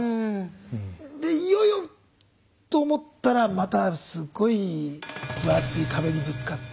でいよいよと思ったらまたすごい分厚い壁にぶつかって。